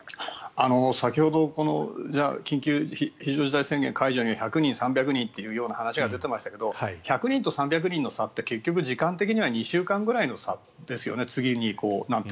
先ほど緊急事態宣言解除に１００人、３００人という話が出ていましたが１００人と３００人の差は結局時間的には２週間ぐらいの差ですよね。